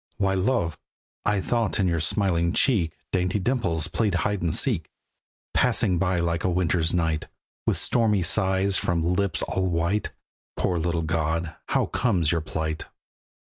Why love! I thought in your smiling cheek Dainty dimples played hide and seek; Passing by like a winter's night, With stormy sighs from lips all white. Poor little god, how comes your plight?